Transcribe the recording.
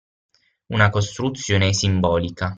Una costruzione simbolica.